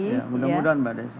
mudah mudahan mbak desy